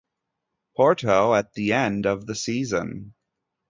Porto at the end of the season.